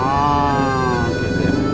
oh gitu ya